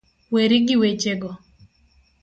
Weri gi wechego